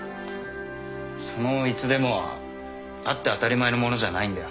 その「いつでも」はあって当たり前のものじゃないんだよ